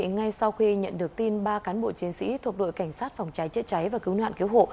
ngay sau khi nhận được tin ba cán bộ chiến sĩ thuộc đội cảnh sát phòng cháy chữa cháy và cứu nạn cứu hộ